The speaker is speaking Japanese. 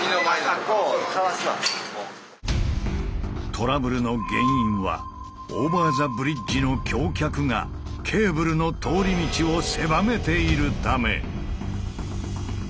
トラブルの原因はオーバー・ザ・ブリッジの橋脚がケーブルの通り道を狭めているため。